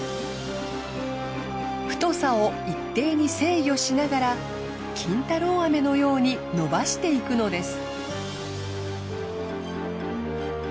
太さを一定に制御しながら金太郎飴のように伸ばしていくのです。